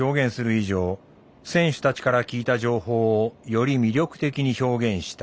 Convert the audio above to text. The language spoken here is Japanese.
以上選手たちから聞いた情報をより魅力的に表現したい。